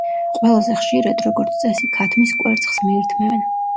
ყველაზე ხშირად როგორც წესი ქათმის კვერცხს მიირთმევენ.